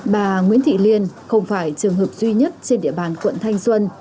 bà nguyễn thị liên không phải trường hợp duy nhất trên địa bàn quận thanh xuân